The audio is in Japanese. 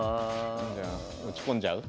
じゃあ打ち込んじゃう？